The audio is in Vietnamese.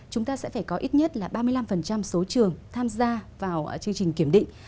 chúng ta sẽ phải có ít nhất là ba mươi năm số trường tham gia vào chương trình kiểm định